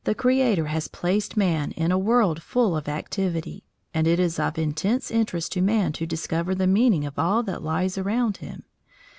The Creator has placed man in a world full of activity, and it is of intense interest to man to discover the meaning of all that lies around him.